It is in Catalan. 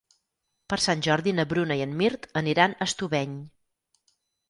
Per Sant Jordi na Bruna i en Mirt aniran a Estubeny.